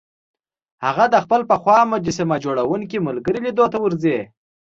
هغه د خپل پخوا مجسمه جوړوونکي ملګري لیدو ته ورځي